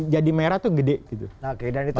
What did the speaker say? jadi merah tuh gede gitu